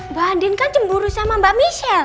mbak andin kan cemburu sama mbak michelle